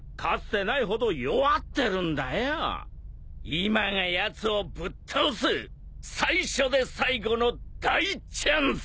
今がやつをぶっ倒す最初で最後の大チャンス！